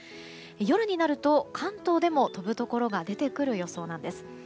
夜になると関東でも飛ぶところが出てくる予想なんです。